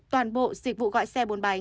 toàn bộ dịch vụ gọi xe bốn bánh